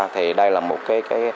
thì đây là một cái